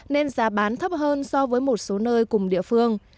nên giá bán thấp hơn so với một số nơi cùng địa phương